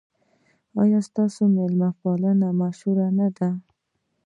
ایا ستاسو میلمه پالنه مشهوره نه ده؟